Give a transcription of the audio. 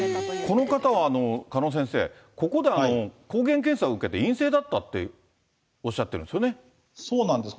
この方は鹿野先生、ここでは抗原検査を受けて、陰性だったっておっしゃってるんですそうなんです。